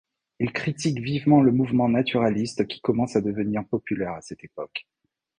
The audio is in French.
Il critique vivement le mouvement naturaliste qui commence à devenir populaire à cette époque.